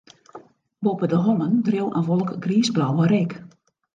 Boppe de hollen dreau in wolk griisblauwe reek.